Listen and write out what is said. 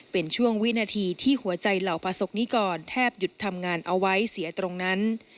เป็นช่วงวินาทีที่หัวใจเหล่าประสบนิกรแทบหยุดทำงานเอาไว้เสียตรงนั้น